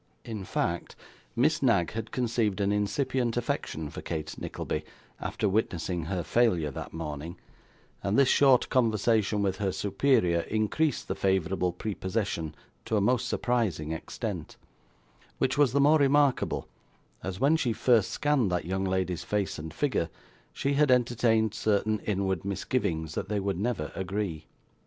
In fact, Miss Knag had conceived an incipient affection for Kate Nickleby, after witnessing her failure that morning, and this short conversation with her superior increased the favourable prepossession to a most surprising extent; which was the more remarkable, as when she first scanned that young lady's face and figure, she had entertained certain inward misgivings that they would never agree.